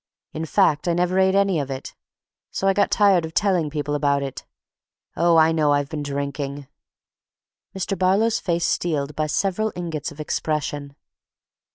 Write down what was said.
In fact, I never ate any of it. So I got tired of telling people about it—oh, I know I've been drinking—" Mr. Barlow's face steeled by several ingots of expression.